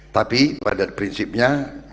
tapi pada prinsipnya